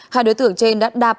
hai đối tượng trên đã đạp